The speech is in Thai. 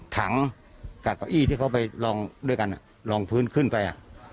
ถังกับเก้าอี้ที่เขาไปลองด้วยกันลองพื้นขึ้นไป